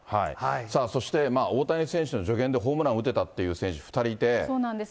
そして、大谷選手の助言でホームラン打てたって選手が２人いそうなんです。